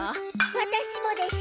ワタシもでしゅ。